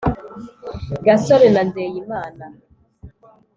gasore na nzeyimana